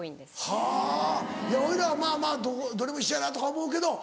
はぁ俺らはまぁまぁどれも一緒やなとか思うけど。